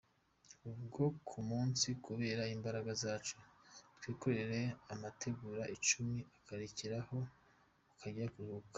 Ubwo ku munsi kubera imbaraga zacu, twikorera amategura icumi ukarekeraho ukajya kuruhuka”